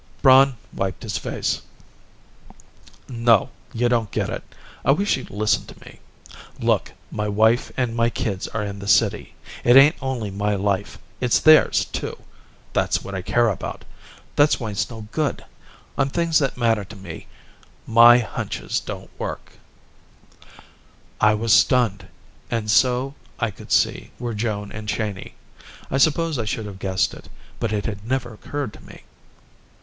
Braun wiped his face. "No. You don't get it. I wish you'd listen to me. Look, my wife and my kids are in the city. It ain't only my life, it's theirs, too. That's what I care about. That's why it's no good. On things that matter to me, my hunches don't work." I was stunned, and so, I could see, were Joan and Cheyney. I suppose I should have guessed it, but it had never occurred to me.